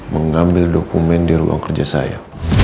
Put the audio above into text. mengambil dokumen di ruang kerja saya